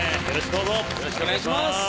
よろしくお願いします。